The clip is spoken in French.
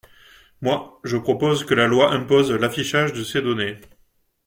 Moi, je propose que la loi impose l’affichage de ces données.